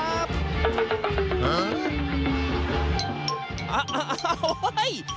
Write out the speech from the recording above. อ้าวเฮ่ย